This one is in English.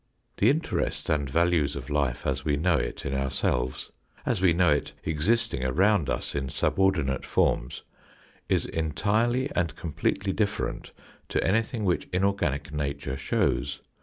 The interest and values of life as we know it in our selves, as we know it existing around us in subordinate forms, is entirely and completely different to anything which inorganic nature shows.